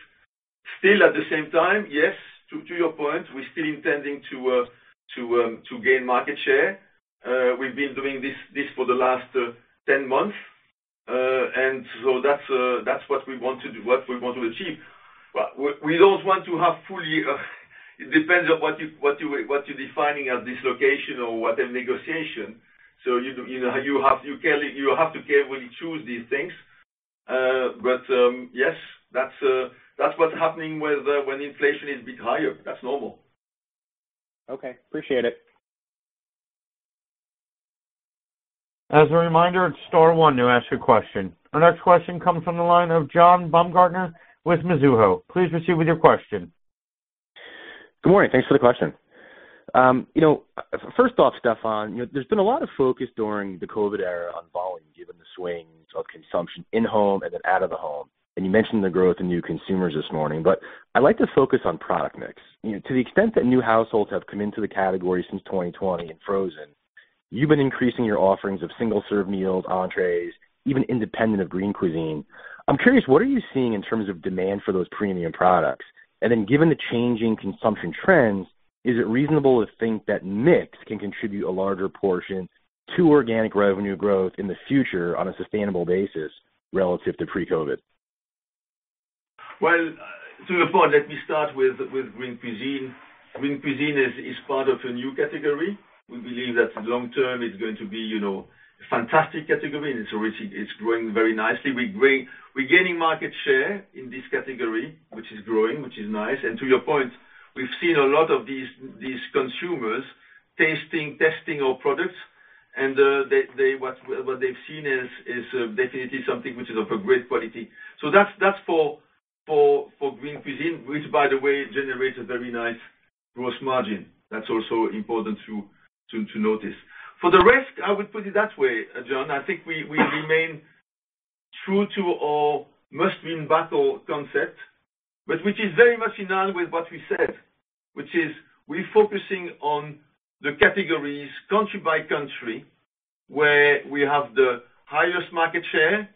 Still, at the same time, yes, to your point, we're still intending to gain market share. We've been doing this for the last 10 months. That's what we want to do, what we want to achieve. We don't want to have full dislocation. It depends on what you're defining as dislocation or what's a negotiation. You know, you have to carefully choose these things. That's what's happening when inflation is a bit higher. That's normal. Okay. Appreciate it. As a reminder, it's star one to ask a question. Our next question comes from the line of John Baumgartner with Mizuho. Please proceed with your question. Good morning. Thanks for the question. You know, first off, Stéfan, you know, there's been a lot of focus during the COVID era on volume, given the swings of consumption in home and then out of the home, and you mentioned the growth in new consumers this morning. I'd like to focus on product mix. You know, to the extent that new households have come into the category since 2020 in frozen, you've been increasing your offerings of single-serve meals, entrees, even independent of Green Cuisine. I'm curious, what are you seeing in terms of demand for those premium products? And then given the changing consumption trends, is it reasonable to think that mix can contribute a larger portion to organic revenue growth in the future on a sustainable basis relative to pre-COVID? Well, to your point, let me start with Green Cuisine. Green Cuisine is part of a new category. We believe that long term it's going to be, you know, a fantastic category, and it's growing very nicely. We're gaining market share in this category, which is growing, which is nice. To your point, we've seen a lot of these consumers tasting, testing our products, and what they've seen is definitely something which is of a great quality. So that's for Green Cuisine, which by the way generates a very nice gross margin. That's also important to notice. For the rest, I would put it that way, John. I think we remain true to our must-win battle concept, but which is very much in line with what we said, which is we're focusing on the categories country by country, where we have the highest market share,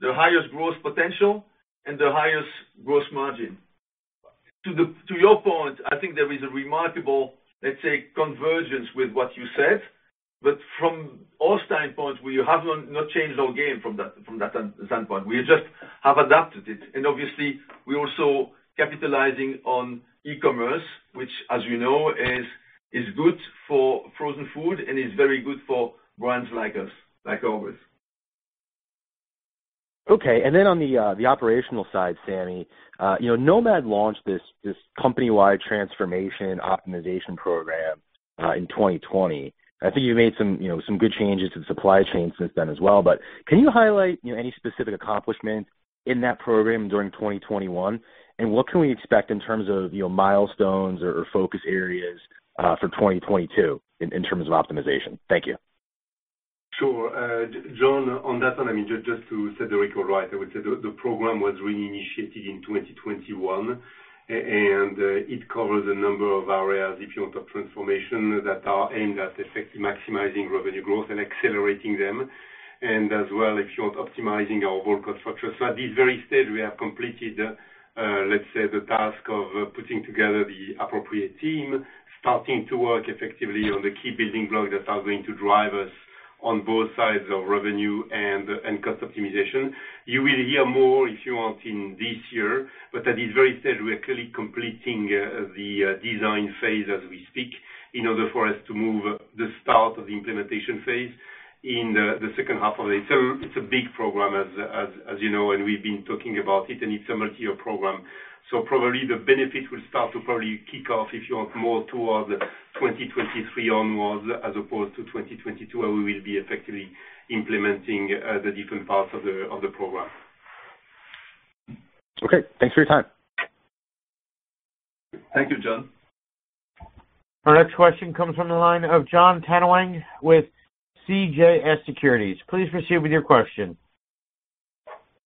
the highest growth potential, and the highest gross margin. To your point, I think there is a remarkable, let's say, convergence with what you said. But from our standpoint, we have not changed our game from that standpoint. We just have adapted it. Obviously, we're also capitalizing on e-commerce, which as you know, is good for frozen food and is very good for brands like us, like ours. Okay. On the operational side, Samy, you know, Nomad Foods launched this company-wide transformation optimization program in 2020. I think you made some good changes to the supply chain since then as well. Can you highlight, you know, any specific accomplishment in that program during 2021? What can we expect in terms of, you know, milestones or focus areas for 2022 in terms of optimization? Thank you. Sure. John, on that one, I mean, just to set the record right, I would say the program was really initiated in 2021. It covers a number of areas, if you want, of transformation that are aimed at effectively maximizing revenue growth and accelerating them, and as well, if you want, optimizing our whole cost structure. At this very stage, we have completed, let's say, the task of putting together the appropriate team, starting to work effectively on the key building blocks that are going to drive us on both sides of revenue and cost optimization. You will hear more, if you want, in this year, but at this very stage, we are clearly completing the design phase as we speak in order for us to move the start of the implementation phase in the second half of the year. It's a big program, as you know, and we've been talking about it, and it's a multi-year program. Probably the benefit will start to kick off, if you want, more toward 2023 onwards as opposed to 2022, where we will be effectively implementing the different parts of the program. Okay. Thanks for your time. Thank you, John. Our next question comes from the line of Jon Tanwanteng with CJS Securities. Please proceed with your question.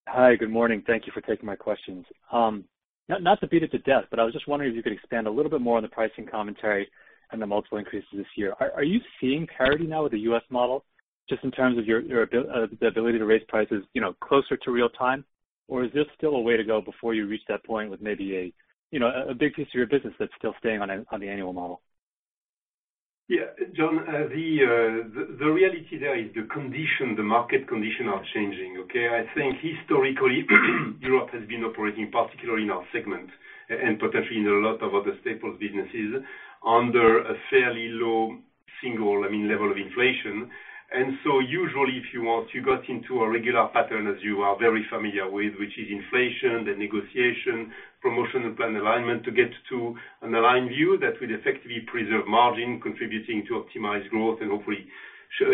Hi. Good morning. Thank you for taking my questions. Not to beat it to death, but I was just wondering if you could expand a little bit more on the pricing commentary and the multiple increases this year. Are you seeing parity now with the U.S. model just in terms of the ability to raise prices, you know, closer to real time? Or is this still a way to go before you reach that point with maybe a big piece of your business that's still staying on the annual model? Yeah, John, the reality there is the market conditions are changing, okay? I think historically, Europe has been operating particularly in our segment and potentially in a lot of other staples businesses under a fairly low single, I mean, level of inflation. Usually if you want, you got into a regular pattern as you are very familiar with, which is inflation, the negotiation, promotional plan alignment to get to an aligned view that will effectively preserve margin, contributing to optimized growth and hopefully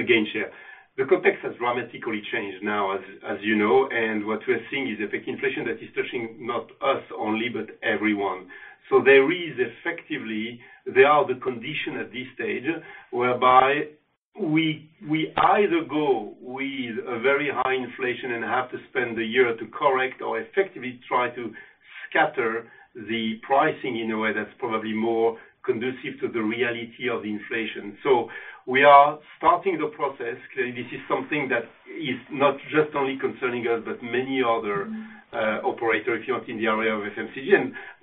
gain share. The context has dramatically changed now, as you know, and what we're seeing is effective inflation that is touching not only us, but everyone. There are effectively the conditions at this stage whereby we either go with a very high inflation and have to spend the year to correct or effectively try to stagger the pricing in a way that's probably more conducive to the reality of inflation. We are starting the process. Clearly, this is something that is not just only concerning us, but many other operators if you're in the area of FMCG.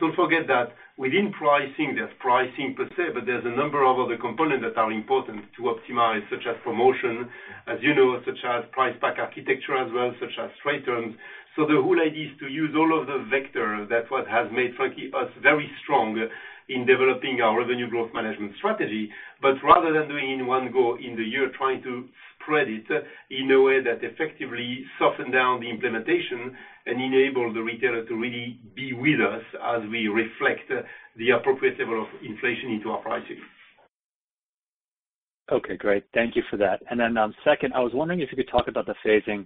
Don't forget that within pricing, there's pricing per se, but there's a number of other components that are important to optimize, such as promotion, as you know, such as price pack architecture as well, such as trade terms. The whole idea is to use all of the vectors. That's what has frankly made us very strong in developing our revenue growth management strategy. Rather than doing one go in the year, trying to spread it in a way that effectively soften down the implementation and enable the retailer to really be with us as we reflect the appropriate level of inflation into our pricing. Okay, great. Thank you for that. Second, I was wondering if you could talk about the phasing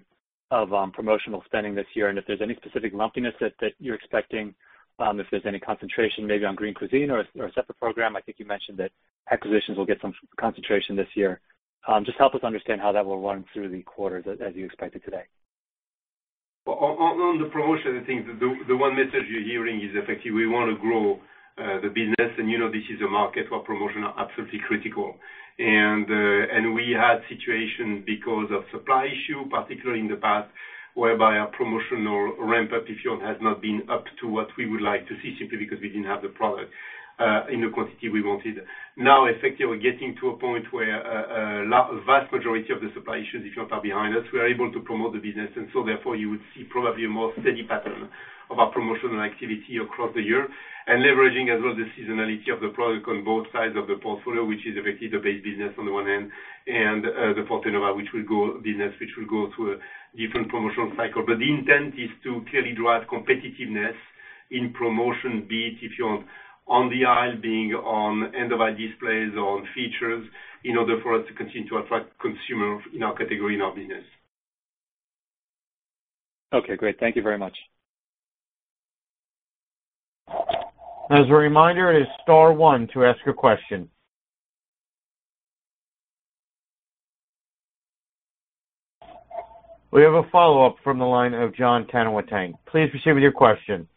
of promotional spending this year, and if there's any specific lumpiness that you're expecting, if there's any concentration maybe on Green Cuisine or a separate program. I think you mentioned that acquisitions will get some concentration this year. Just help us understand how that will run through the quarter as you expect it today. On the promotion, I think the one message you're hearing is effectively we wanna grow the business and you know this is a market where promotion are absolutely critical. We had situations because of supply issue, particularly in the past, whereby our promotional ramp up, if you want, has not been up to what we would like to see simply because we didn't have the product in the quantity we wanted. Now effectively getting to a point where vast majority of the supply issues, if you want, are behind us. We are able to promote the business and so therefore you would see probably a more steady pattern of our promotional activity across the year. Leveraging as well the seasonality of the product on both sides of the portfolio, which is effectively the base business on the one end and the Fortenova business, which will go through a different promotional cycle. The intent is to clearly drive competitiveness in promotion, be it if you're on the aisle, being on end-of-aisle displays or on features, in order for us to continue to attract consumers in our category, in our business. Okay, great. Thank you very much. As a reminder, it is star one to ask a question. We have a follow-up from the line of Jon Tanwanteng. Please proceed with your question.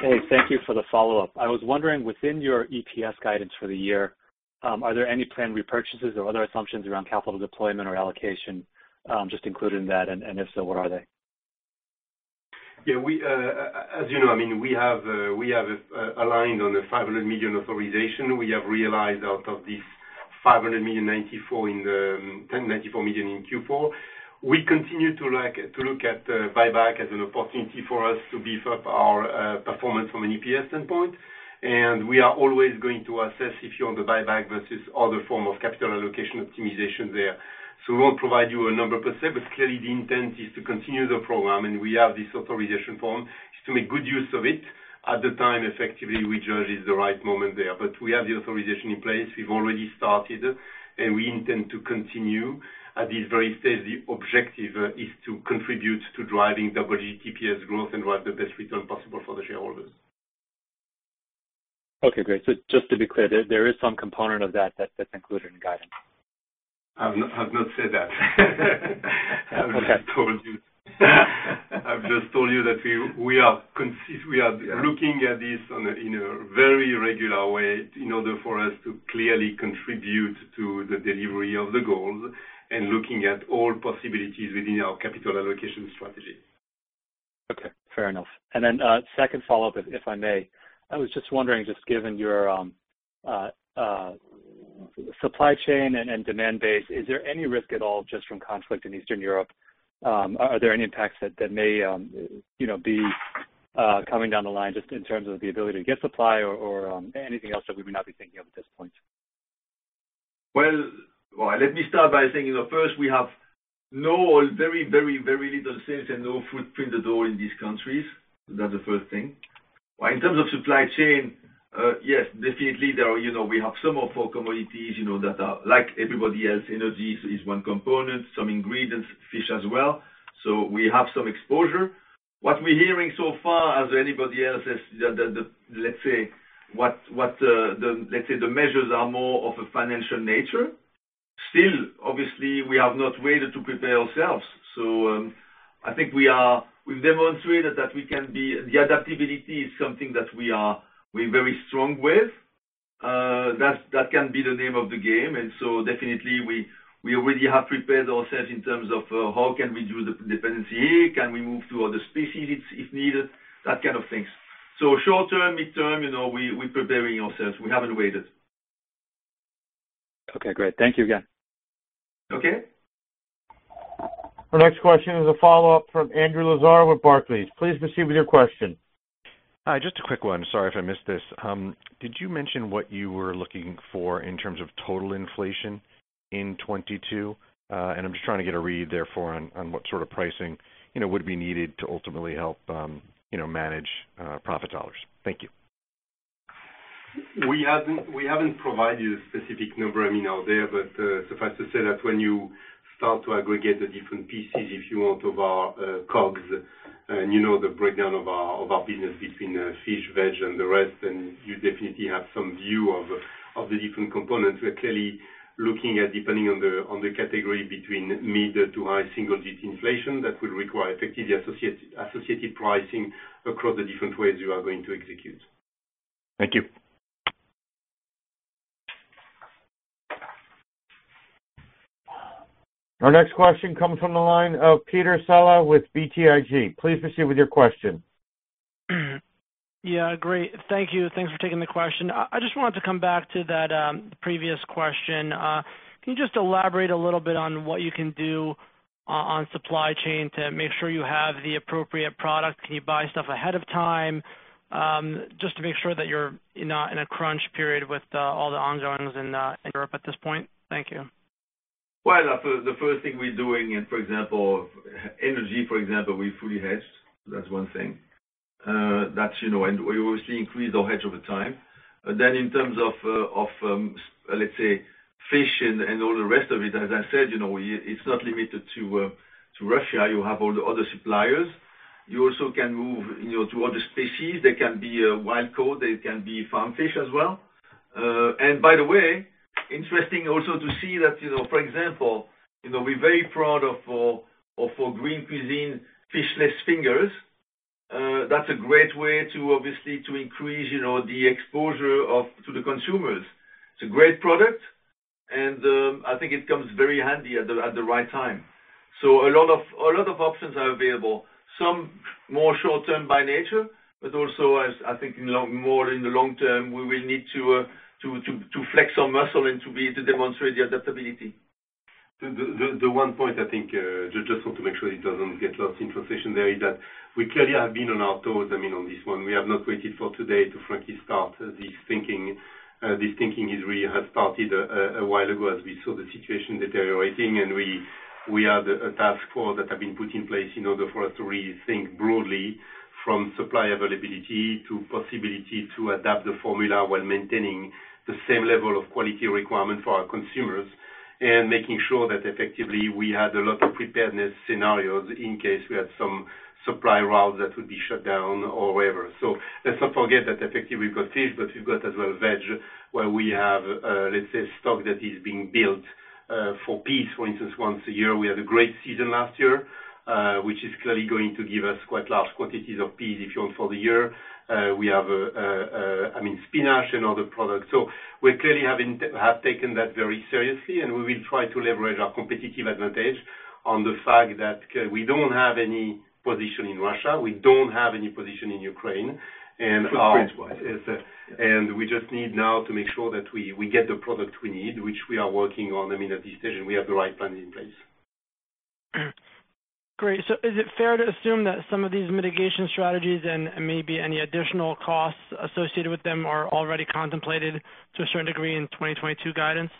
Hey, thank you for the follow-up. I was wondering within your EPS guidance for the year, are there any planned repurchases or other assumptions around capital deployment or allocation, just included in that? If so, what are they? As you know, I mean, we have aligned on the $500 million authorization. We have realized $94 million out of this $500 million, $94 million in Q4. We continue to look at buyback as an opportunity for us to beef up our performance from an EPS standpoint. We are always going to assess the buyback versus other form of capital allocation optimization there. We won't provide you a number per se, but clearly the intent is to continue the program, and we have this authorization to make good use of it at the time effectively we judge is the right moment there. We have the authorization in place, we've already started, and we intend to continue. At this very steady objective is to contribute to driving double EPS growth and drive the best return possible for the shareholders. Okay, great. Just to be clear, there is some component of that that's included in guidance. I've not said that. Okay. I've just told you that we are looking at this on a, in a very regular way in order for us to clearly contribute to the delivery of the goals and looking at all possibilities within our capital allocation strategy. Okay, fair enough. Second follow-up, if I may. I was just wondering, just given your supply chain and demand base, is there any risk at all just from conflict in Eastern Europe? Are there any impacts that may, you know, be coming down the line just in terms of the ability to get supply or anything else that we may not be thinking of at this point? Well, let me start by saying, you know, first, we have no or very little sales and no footprint at all in these countries. That's the first thing. In terms of supply chain, yes, definitely there are, you know, we have some of our commodities, you know, that are like everybody else, energy is one component, some ingredients, fish as well. So we have some exposure. What we're hearing so far as anybody else is the measures are more of a financial nature. Still, obviously, we have not waited to prepare ourselves. I think we've demonstrated that we can be. The adaptability is something that we're very strong with. That can be the name of the game. Definitely we already have prepared ourselves in terms of how we can do the dependency, can we move to other species if needed, that kind of things. Short term, midterm, you know, we're preparing ourselves. We haven't waited. Okay, great. Thank you again. Okay. Our next question is a follow-up from Andrew Lazar with Barclays. Please proceed with your question. Hi, just a quick one. Sorry if I missed this. Did you mention what you were looking for in terms of total inflation in 2022? I'm just trying to get a read therefore on what sort of pricing, you know, would be needed to ultimately help you know manage profit dollars. Thank you. We haven't provided a specific number, I mean, out there, but suffice to say that when you start to aggregate the different pieces, if you want, of our COGS, and you know the breakdown of our business between fish, veg, and the rest, then you definitely have some view of the different components. We're clearly looking at, depending on the category between mid to high single digit inflation that will require effectively associated pricing across the different ways we are going to execute. Thank you. Our next question comes from the line of Peter Saleh with BTIG. Please proceed with your question. Yeah, great. Thank you. Thanks for taking the question. I just wanted to come back to that, previous question. Can you just elaborate a little bit on what you can do on supply chain to make sure you have the appropriate product? Can you buy stuff ahead of time, just to make sure that you're not in a crunch period with all the ongoings in Europe at this point? Thank you. Well, the first thing we're doing, for example, energy for example, we fully hedged. That's one thing. You know, we obviously increased our hedge over time. In terms of, let's say, fish and all the rest of it, as I said, you know, it's not limited to Russia. You have all the other suppliers. You also can move, you know, to other species. They can be wild cod, they can be farmed fish as well. By the way, interesting also to see that, you know, for example, you know, we're very proud of our Green Cuisine Fishless Fingers. That's a great way to obviously increase, you know, the exposure to the consumers. It's a great product, and I think it comes very handy at the right time. A lot of options are available. Some more short-term by nature, but also as I think more in the long-term, we will need to flex our muscle and to demonstrate the adaptability. The one point I think I just want to make sure it doesn't get lost in translation is that we clearly have been on our toes, I mean, on this one. We have not waited for today to frankly start this thinking. This thinking is we have started a while ago as we saw the situation deteriorating, and we had a task force that have been put in place in order for us to rethink broadly from supply availability to possibility to adapt the formula while maintaining the same level of quality requirement for our consumers and making sure that effectively we had a lot of preparedness scenarios in case we had some supply routes that would be shut down or whatever. Let's not forget that effectively we've got fish, but we've got as well veg, where we have, let's say, stock that is being built, for peas, for instance, once a year. We had a great season last year, which is clearly going to give us quite large quantities of peas if you want for the year. We have, I mean, spinach and other products. We clearly have taken that very seriously, and we will try to leverage our competitive advantage on the fact that we don't have any position in Russia, we don't have any position in Ukraine, and our Footprint wise. Yes, yes. We just need now to make sure that we get the product we need, which we are working on. I mean, at this stage, and we have the right plan in place. Great. Is it fair to assume that some of these mitigation strategies and maybe any additional costs associated with them are already contemplated to a certain degree in 2022 guidance?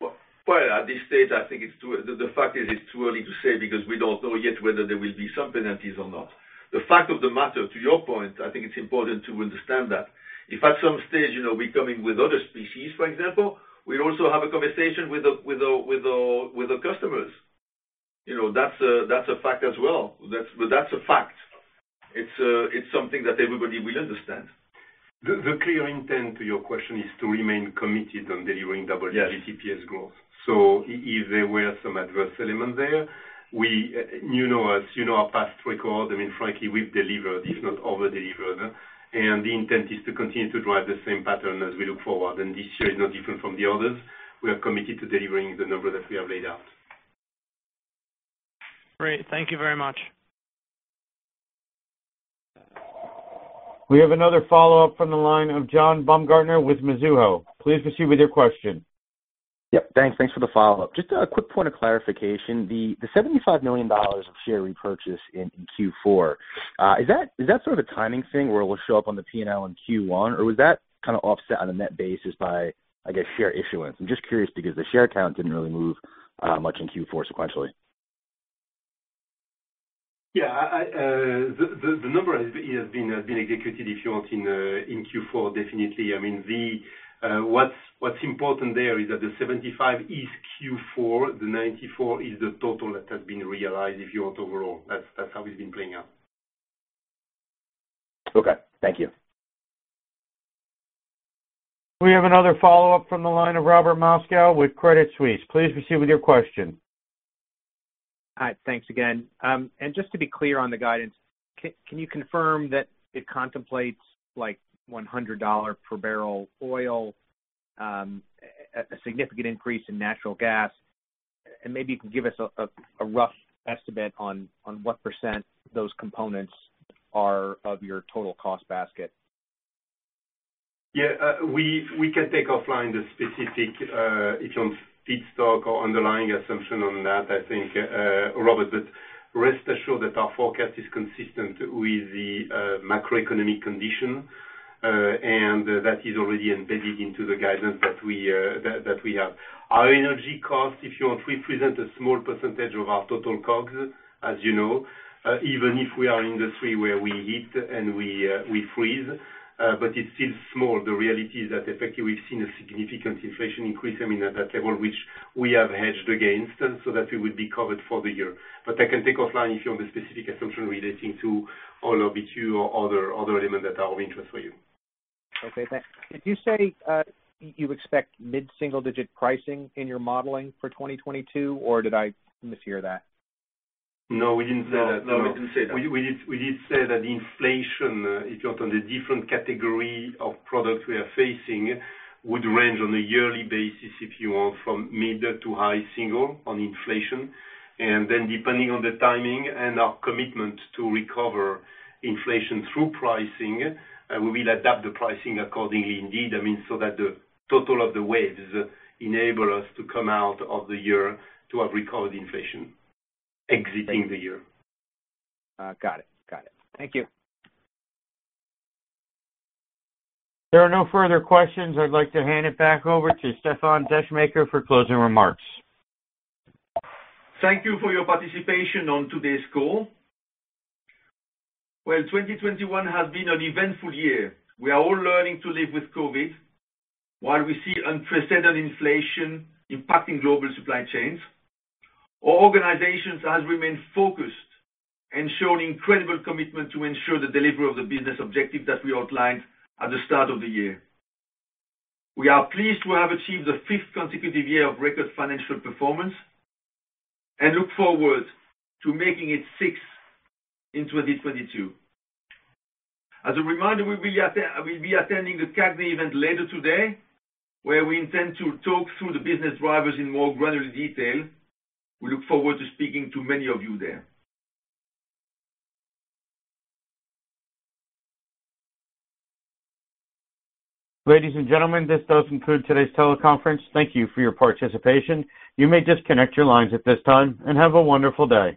Well, at this stage, I think it's too early to say because we don't know yet whether there will be some penalties or not. The fact of the matter, to your point, I think it's important to understand that. If at some stage, you know, we're coming with other species, for example, we also have a conversation with the customers. You know, that's a fact as well. That's a fact. It's something that everybody will understand. The clear intent to your question is to remain committed on delivering double-digit EPS growth. Yes. If there were some adverse elements there, we, you know us, you know our past record. I mean, frankly, we've delivered, if not over-delivered. The intent is to continue to drive the same pattern as we look forward. This year is no different from the others. We are committed to delivering the number that we have laid out. Great. Thank you very much. We have another follow-up from the line of John Baumgartner with Mizuho. Please proceed with your question. Yep. Thanks. Thanks for the follow-up. Just a quick point of clarification. The $75 million of share repurchase in Q4, is that sort of a timing thing where it will show up on the P&L in Q1? Or was that kinda offset on a net basis by, I guess, share issuance? I'm just curious because the share count didn't really move much in Q4 sequentially. Yeah. The number has been executed, if you want, in Q4, definitely. I mean, what's important there is that the 75 is Q4, the 94 is the total that has been realized, if you want, overall. That's how it's been playing out. Okay. Thank you. We have another follow-up from the line of Robert Moskow with Credit Suisse. Please proceed with your question. Hi. Thanks again. Just to be clear on the guidance, can you confirm that it contemplates, like, $100 per barrel oil, a significant increase in natural gas? Maybe you can give us a rough estimate on what % those components are of your total cost basket. We can take offline the specific one on feedstock or underlying assumption on that, I think, Robert, but rest assured that our forecast is consistent with the macroeconomic condition, and that is already embedded into the guidance that we have. Our energy cost, if you want, represent a small percentage of our total COGS, as you know, even if we are in an industry where we heat and we freeze, but it's still small. The reality is that effectively we've seen a significant inflation increase, I mean, at that level, which we have hedged against, and so that we would be covered for the year. I can take offline if you want the specific assumption relating to all of Q2 or other elements that are of interest for you. Okay, thanks. Did you say you expect mid-single digit pricing in your modeling for 2022, or did I mishear that? No, we didn't say that. No. No, we didn't say that. We did say that inflation, if you want, on the different category of products we are facing would range on a yearly basis, if you want, from mid- to high-single-digit inflation. Depending on the timing and our commitment to recover inflation through pricing, we will adapt the pricing accordingly indeed, I mean, so that the total of the waves enable us to come out of the year to have recovered inflation exiting the year. Got it. Thank you. There are no further questions. I'd like to hand it back over to Stéfan Descheemaeker for closing remarks. Thank you for your participation on today's call. Well, 2021 has been an eventful year. We are all learning to live with COVID while we see unprecedented inflation impacting global supply chains. Our organization has remained focused and shown incredible commitment to ensure the delivery of the business objective that we outlined at the start of the year. We are pleased to have achieved the fifth consecutive year of record financial performance and look forward to making it six in 2022. As a reminder, we'll be attending the CAGNY event later today, where we intend to talk through the business drivers in more granular detail. We look forward to speaking to many of you there. Ladies and gentlemen, this does conclude today's teleconference. Thank you for your participation. You may disconnect your lines at this time, and have a wonderful day.